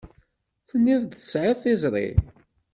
Tenniḍ-d tesεiḍ tiẓri.